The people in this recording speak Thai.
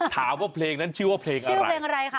ถามว่าเพลงนั้นชื่อว่าเพลงอะไร